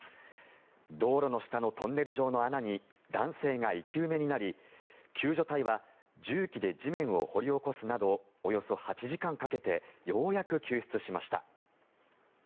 道路の下のトンネル状の穴に男性が生き埋めになり救助隊は重機で地面を掘り起こすなどおよそ８時間かけてようやく救出しました。